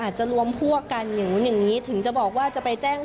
จะรวมพวกกันอย่างนู้นอย่างนี้ถึงจะบอกว่าจะไปแจ้ง